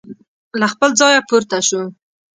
له خپل ځایه پورته شو.